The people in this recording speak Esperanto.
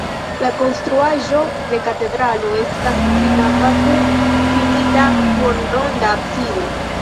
La konstruaĵo de katedralo estas trinava kun finita duonronda absido.